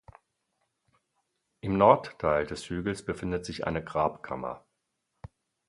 Im Nordteil des Hügels befindet sich eine Grabkammer.